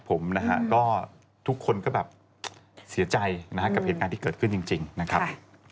ผมนะฮะก็ทุกคนก็แบบเสียใจนะฮะกับเหตุการณ์ที่เกิดขึ้นจริงนะครับ